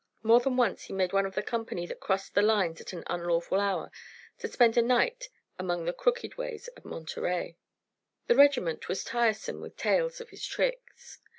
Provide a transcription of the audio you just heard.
More than once he made one of the company that crossed the lines at an unlawful hour to spend a night among the crooked ways of Monterey. The regiment was tiresome with tales of his tricks.